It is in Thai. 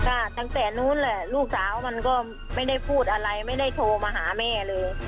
ก็ตั้งแต่นู้นแหละลูกสาวมันก็ไม่ได้พูดอะไรไม่ได้โทรมาหาแม่เลย